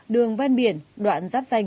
đường văn biển đoạn giáp xanh